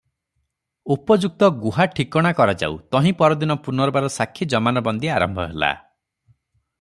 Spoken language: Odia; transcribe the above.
ଉପଯୁକ୍ତ ଗୁହା ଠିକଣା କରାଯାଉ ତହିଁ ପରଦିନ ପୁନର୍ବାର ସାକ୍ଷୀ ଜମାନବନ୍ଦୀ ଆରମ୍ଭ ହେଲା ।